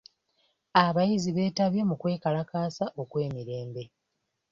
Abayizi beetabye mu kwekalakaasa okw'emirembe.